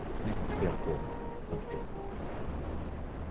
手がこう伸びてる。